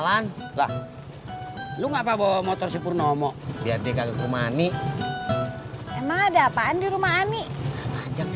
ah sudah beres